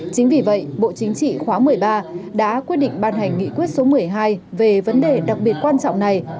chính vì vậy bộ chính trị khóa một mươi ba đã quyết định ban hành nghị quyết số một mươi hai về vấn đề đặc biệt quan trọng này